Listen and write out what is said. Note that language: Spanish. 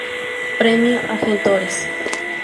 Premio Argentores.